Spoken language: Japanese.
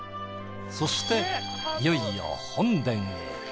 そしていよいよ本殿へ。